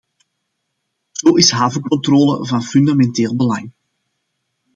Zo is havencontrole van fundamenteel belang.